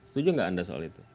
setuju nggak anda soal itu